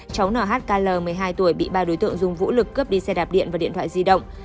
cháu nhl một mươi hai tuổi bị ba đối tượng dùng vũ lực cướp đi xe đạp điện và điện thoại di động